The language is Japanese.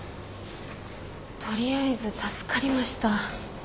取りあえず助かりました。